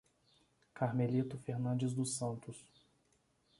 Carmelito Fernandes dos Santos